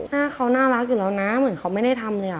หน้าเขาน่ารักอยู่แล้วนะเหมือนเขาไม่ได้ทำเลย